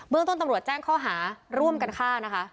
เมืองต้นตำรวจแจ้งข้อหาร่วมกันฆ่านะคะ